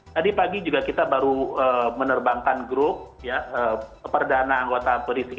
tadi pagi juga kita baru menerbangkan grup perdana anggota polisi